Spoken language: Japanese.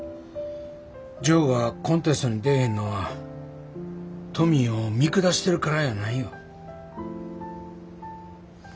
ジョーがコンテストに出えへんのはトミーを見下してるからやないよ。